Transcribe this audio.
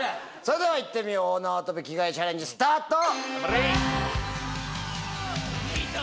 それでは行ってみよう大縄跳び着替えチャレンジスタート！